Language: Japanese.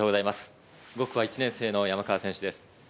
５区は１年生の山川選手です。